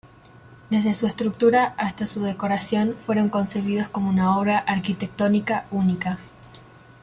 Desde su estructura hasta su decoración fueron concebidos como una obra arquitectónica única.